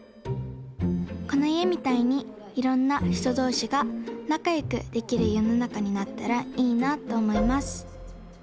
このいえみたいにいろんなひとどうしがなかよくできるよのなかになったらいいなとおもいます。